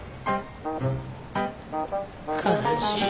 悲しい。